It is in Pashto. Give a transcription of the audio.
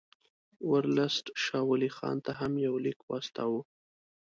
ورلسټ شاه ولي خان ته هم یو لیک واستاوه.